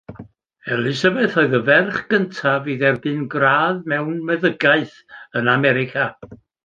Elisabeth oedd y ferch gyntaf i dderbyn gradd mewn meddygaeth yn America.